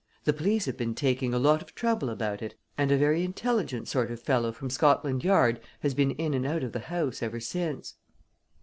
"The police have been taking a lot of trouble about it, and a very intelligent sort of fellow from Scotland Yard has been in and out of the house ever since."